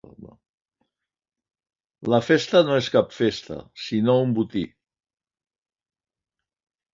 La festa no és cap festa, sinó un botí.